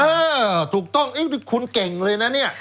เออถูกต้องเอ๊ะคุณเก่งเลยนะเนี่ย